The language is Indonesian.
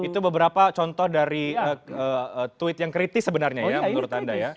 itu beberapa contoh dari tweet yang kritis sebenarnya ya menurut anda ya